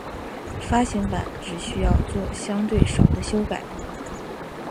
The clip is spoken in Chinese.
发行版只需要作相对少的修改。